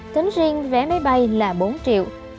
tính riêng vé máy bay là bốn triệu